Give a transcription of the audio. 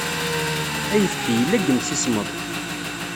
Ayefki, yella deg yimsismeḍ.